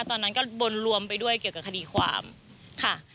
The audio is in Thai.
ตอนนั้นก็บนรวมไปด้วยเกี่ยวกับคดีความค่ะ